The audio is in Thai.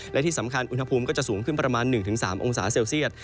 และที่สำคัญอุณหภูมิก็จะสูงขึ้นประมาณ๑๓องศาเซลเซียต